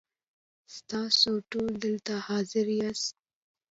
ستاسو ټول دلته حاضر یاست .